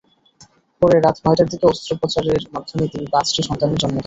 পরে রাত নয়টার দিকে অস্ত্রোপচারের মাধ্যমে তিনি পাঁচটি সন্তানের জন্ম দেন।